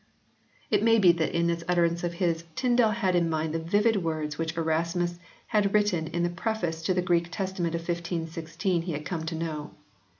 It may be that in this utterance of his Tyndale had in mind the vivid words which Erasmus had written in the preface to that Greek Testament of 1516 he had come to know.